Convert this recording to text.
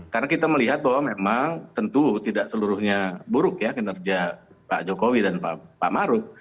karena kita melihat bahwa memang tentu tidak seluruhnya buruk ya kinerja pak jokowi dan pak maruf